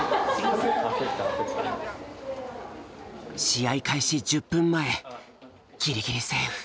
試合開始１０分前ギリギリセーフ。